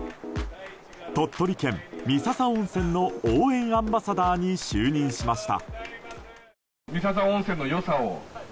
鳥取県三朝温泉の応援アンバサダーに就任しました。